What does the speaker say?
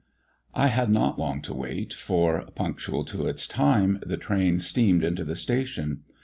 I had not long to wait, for, punctual to its time, the train steamed into the station.